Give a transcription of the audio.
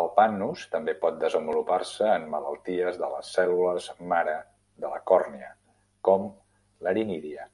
El pannus també pot desenvolupar-se en malalties de les cèl·lules mare de la còrnia, com l'aniridia.